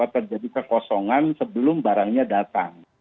terjadi kekosongan sebelum barangnya datang